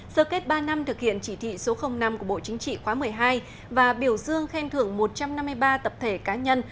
sơ kết ba năm thực hiện chỉ thị số năm của bộ chính trị khóa một mươi hai và biểu dương khen thưởng một trăm năm mươi ba tập thể cá nhân